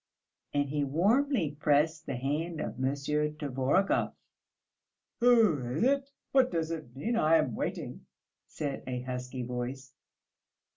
And he warmly pressed the hand of Monsieur Tvorogov. "Who is it? What does it mean? I am waiting...." said a husky voice.